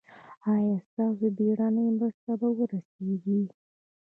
ایا ستاسو بیړنۍ مرسته به ورسیږي؟